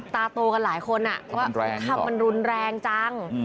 ตาโตกันหลายคนว่าคำมันรุนแรงจัง